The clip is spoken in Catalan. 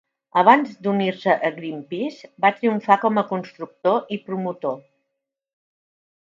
Abans d'unir-se a Greenpeace, va triomfar com a constructor i promotor.